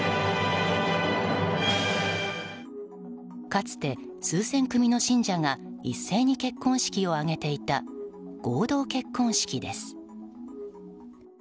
かつて、数千組の信者が一斉に結婚式を挙げていた合同結婚式です。